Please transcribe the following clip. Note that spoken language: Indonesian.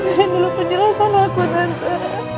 aku mohon nanti dulu penjelasan aku tante